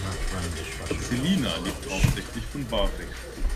Selina lebt hauptsächlich von BAföG.